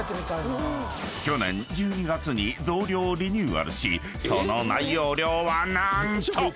［去年１２月に増量リニューアルしその内容量は何と］